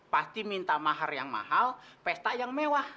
pasti minta mahar yang mahal pesta yang mewah